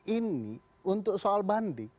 ini untuk soal banding